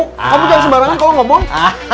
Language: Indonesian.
tapi jangan sembarangan kalau ngomong